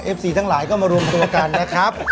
ซีทั้งหลายก็มารวมตัวกันนะครับ